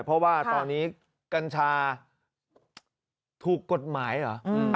เพราะว่าตอนนี้กัญชาถูกกฎหมายเหรอ